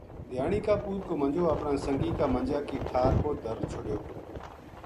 دھیانی کا پوت کو منجو اپنا سنگی کا منجا کی ٹھار پو دھر چھوڈیو